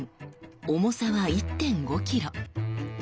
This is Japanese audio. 重さは１．５ｋｇ。